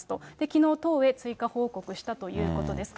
きのう、党へ追加報告したということです。